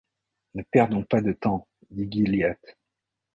Ne perdons pas de temps, dit Gilliatt.